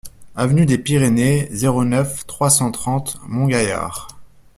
Avenue des Pyrénées, zéro neuf, trois cent trente Montgaillard